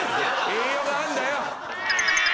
栄養があんだよ！